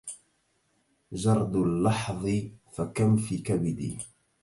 جرد اللحظ فكم في كبدي